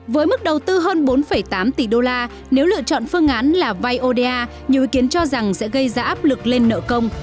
với mức đầu tư hơn bốn tám tỷ đô la nếu lựa chọn phương án là vay oda nhiều ý kiến cho rằng sẽ gây ra áp lực lên nợ công